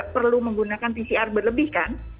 karena itu perlu menggunakan pcr berlebih kan